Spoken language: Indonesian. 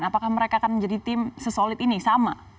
apakah mereka akan menjadi tim sesolid ini sama